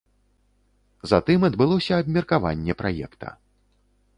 Затым адбылося абмеркаванне праекта.